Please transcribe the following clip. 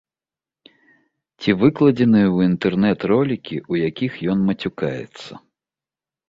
Ці выкладзеныя ў інтэрнэт ролікі, у якіх ён мацюкаецца.